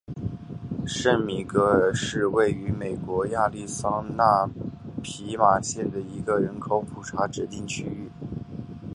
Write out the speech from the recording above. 圣米格尔是位于美国亚利桑那州皮马县的一个人口普查指定地区。